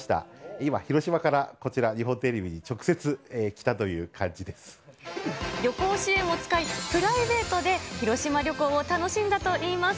今、広島からこちら、日本テレビ旅行支援を使い、プライベートで広島旅行を楽しんだといいます。